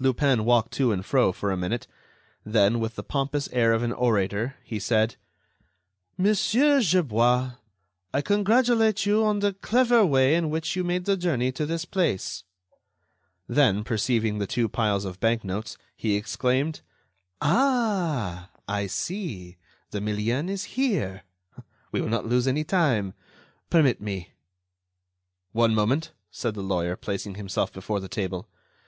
Lupin walked to and fro for a minute, then, with the pompous air of an orator, he said: "Monsieur Gerbois, I congratulate you on the clever way in which you made the journey to this place." Then, perceiving the two piles of bank notes, he exclaimed: "Ah! I see! the million is here. We will not lose any time. Permit me." "One moment," said the lawyer, placing himself before the table.